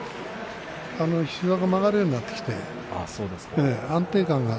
膝が曲がるようになってきて、安定感が